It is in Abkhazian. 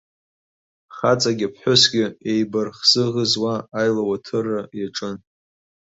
Хаҵагьы-ԥҳәысгьы еибарӷзыӷызуа аилауаҭырра иаҿын.